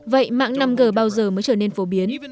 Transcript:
vậy mạng năm g bao giờ mới trở nên phổ biến